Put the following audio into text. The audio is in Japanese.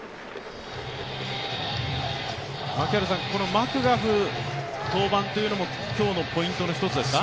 マクガフ登板というのも今日のポイントの一つですか？